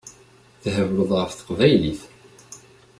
Thebleḍ ɣef teqbaylit.